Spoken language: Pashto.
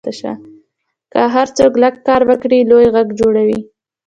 که هر څوک لږ کار وکړي، لوی غږ جوړېږي.